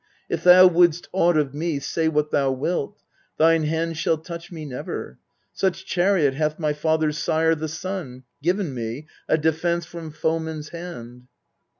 If thou wouldst aught of me, Say what thou wilt : thine hand shall touch me never. Such chariot hath my father's sire, the Sun, Given me, a defence from foeman's hand.